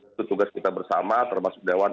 itu tugas kita bersama termasuk dewan